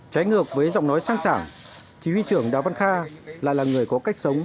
trái ngược với giọng nói sang sản chỉ huy trưởng đào văn kha lại là người có cách sống